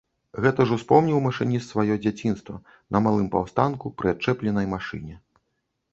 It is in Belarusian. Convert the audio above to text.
Гэта ж успомніў машыніст сваё дзяцінства, на малым паўстанку, пры адчэпленай машыне.